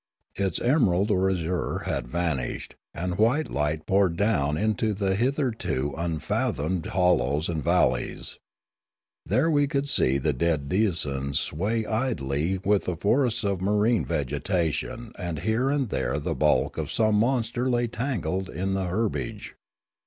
Its emerald or azure had vanished, and white light poured down into the hitherto unfathomed hollows and val leys. There could we see the dead denizens sway idly with the forests of marine vegetation and here and there the bulk of some monster lay tangled in the herb age.